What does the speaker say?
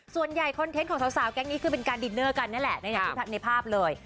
ส่วนใหญ่คอนเทนต์ของสาวแก๊งนี้คือเป็นการดินเนอร์กันนั่นแหละในภาพเลย